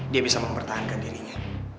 dia bisa mempertahankan dirinya